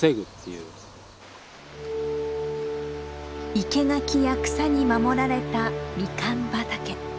生け垣や草に守られたミカン畑。